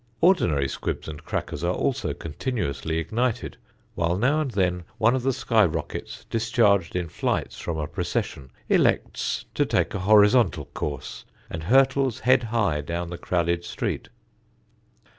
Ordinary squibs and crackers are also continuously ignited, while now and then one of the sky rockets discharged in flights from a procession, elects to take a horizontal course, and hurtles head high down the crowded street.